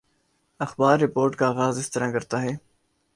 اخبار رپورٹ کا آغاز اس طرح کرتا ہے